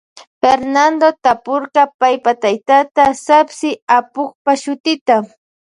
Fernando tapurka paypa taytata sapsi apukpa shutita.